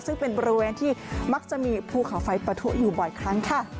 ซึ่งเป็นบริเวณที่มักจะมีภูเขาไฟปะทุอยู่บ่อยครั้งค่ะ